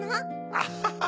アハハ！